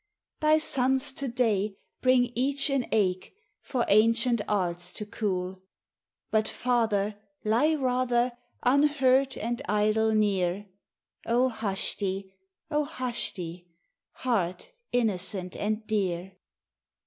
Thy sons to day bring each an ache For ancient arts to cool. But, father, lie rather Unhurt and idle near: O hush thee, O hush thee! heart innocent and dear.